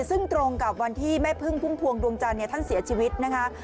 ซึ่งตรงกับวันที่แม่พึ่งพุ่มพวงดวงจันทร์ท่านเสียชีวิตนะคะ